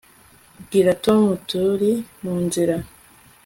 Bwira Tom turi munzira